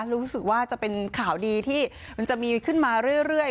รู้สึกว่าจะเป็นข่าวดีที่มันจะมีขึ้นมาเรื่อย